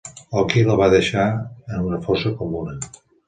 Oki la va deixar en una fossa comuna.